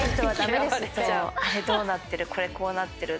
あれどうなってる？